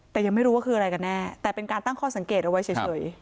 แต่ยังไม่รู้ว่าคืออะไรกันแน่แต่เป็นการตั้งข้อสังเกตเอาไว้เฉย